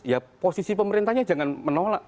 ya posisi pemerintahnya jangan menolak